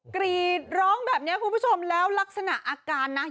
กรีดร้องแบบนี้คุณผู้ชมแล้วลักษณะอาการนะ